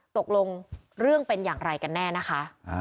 ตกลงเรื่องเป็นอย่างไรกันแน่นะคะ